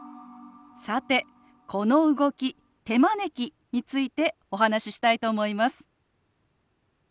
さてこの動き「手招き」についてお話ししたいと思います。